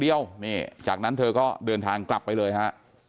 เดียวนี่จากนั้นเธอก็เดินทางกลับไปเลยฮะ